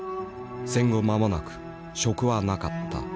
戦後まもなく職はなかった。